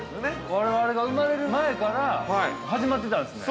◆我々が生まれる前から始まってたんですね。